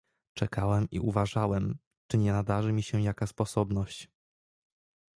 "Czekałem i uważałem, czy nie nadarzy mi się jaka sposobność."